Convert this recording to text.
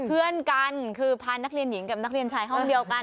เพื่อนกันคือพานักเรียนหญิงกับนักเรียนชายห้องเดียวกัน